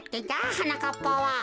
はなかっぱは。